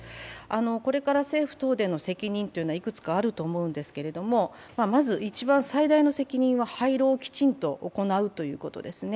これから政府・東電の責任というのは幾つかあると思うんですけれども、まず一番最大の責任は廃炉をきちんと行うということですね。